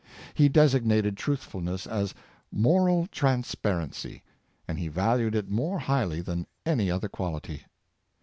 He designated truthfulness as " moral transparency," and he valued it more highly than any other quality.